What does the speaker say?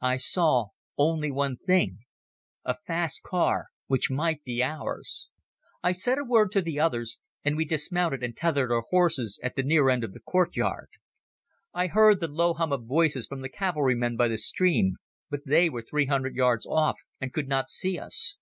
I saw only one thing—a fast car which might be ours. I said a word to the others, and we dismounted and tethered our horses at the near end of the courtyard. I heard the low hum of voices from the cavalrymen by the stream, but they were three hundred yards off and could not see us.